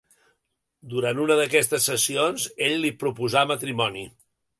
Durant una d'aquestes sessions, ell li proposà matrimoni.